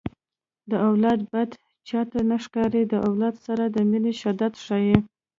د اولاد بد چاته نه ښکاري د اولاد سره د مینې شدت ښيي